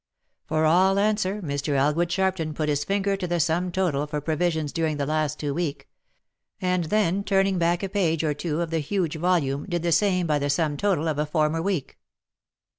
For all answer Mr. Elgood Sharpton put his finger to the sum total for provisions during the last week, and then turning back a page or two of the huge volume, did the same by the sum total of a former week.